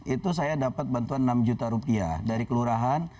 itu saya dapat bantuan enam juta rupiah dari kelurahan